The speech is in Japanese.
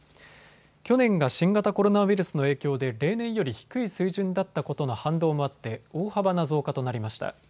去年が新型コロナウイルスの影響で例年より低い水準だったことの反動もあって大幅な増加となりました。